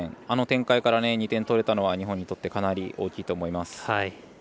あの展開から２点取れたことは日本にとってかなり大きいと思います。